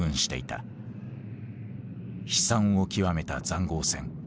悲惨を極めた塹壕戦。